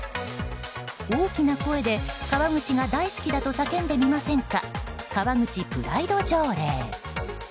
大きな声で川口が大好きだと叫んでみませんか。